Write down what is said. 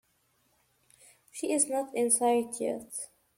She is not in sight yet?